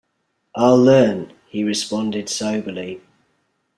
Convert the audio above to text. "I'll learn," he responded soberly.